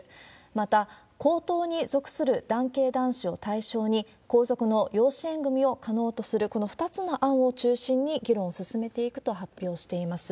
また、皇統に属する男系男子を対象に皇族の養子縁組を可能とする、この２つの案を中心に議論を進めていくと発表しています。